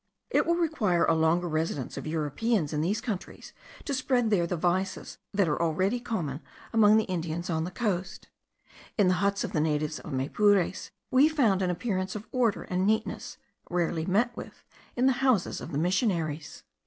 It will require a longer residence of Europeans in these countries to spread there the vices that are already common among the Indians on the coast. In the huts of the natives of Maypures we found an appearance of order and neatness, rarely met with in the houses of the missionaries.